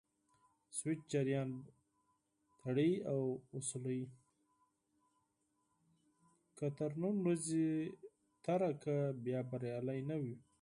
که تر نن ورځې تېره کړه بیا بریالی نه وي.